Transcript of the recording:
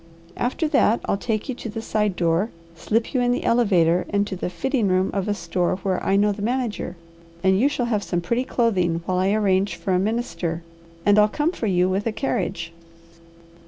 After that I'll take you to the side door, slip you in the elevator and to the fitting room of a store where I know the manager, and you shall have some pretty clothing while I arrange for a minister, and I'll come for you with a carriage.